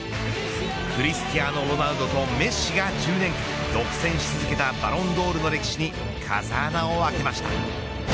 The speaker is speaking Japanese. クリスティアーノ・ロナウドとメッシが１０年間独占し続けたバロンドールの歴史に風穴を開けました。